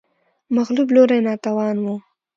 مغلوب لوری ناتوان و